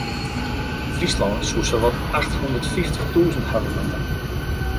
Fryslân soe sawat acht hûndert fyftich tûzen hawwe moatte.